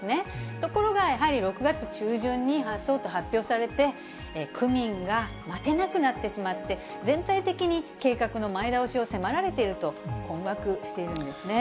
ところが、やはり６月中旬に発送と発表されて、区民が待てなくなってしまって、全体的に計画の前倒しを迫られていると、困惑しているんですね。